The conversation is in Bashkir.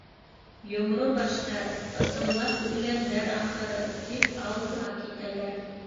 Йомро баштар, ысынлап үлгәндәр, ахыры, тип, алга китәләр.